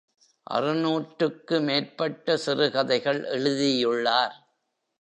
அறுநூற்றுக்கு மேற்பட்ட சிறுகதைகள் எழுதியுள்ளார்.